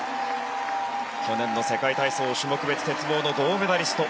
去年の世界体操種目別鉄棒の銅メダリスト。